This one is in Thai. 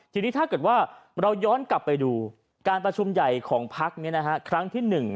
ทีนี้ถ้าเกิดว่าเราย้อนกลับไปดูการประชุมใหญ่ของพักครั้งที่๑